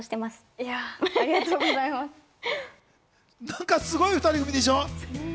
何がすごい２人組でしょ。